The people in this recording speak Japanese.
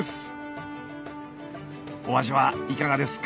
お味はいかがですか？